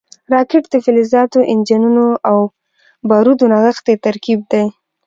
راکټ د فلزاتو، انجنونو او بارودو نغښتی ترکیب دی